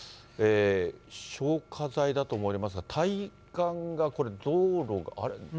消火剤だと思われますが、対岸がこれ、道路が、あれ？